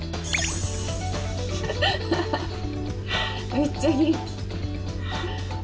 めっちゃ元気。